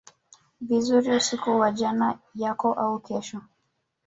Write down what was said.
vizuri usiku wa jana yako au kesho